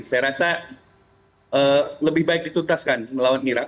saya rasa lebih baik dituntaskan melawan mira